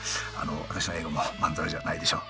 私の英語もまんざらじゃないでしょ？